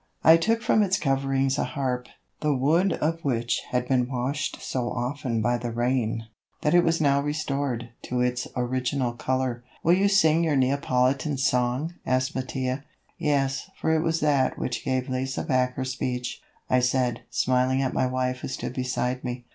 I took from its coverings a harp, the wood of which had been washed so often by the rain, that it was now restored to its original color. "Will you sing your Neapolitan song?" asked Mattia. "Yes, for it was that which gave Lise back her speech," I said, smiling at my wife who stood beside me.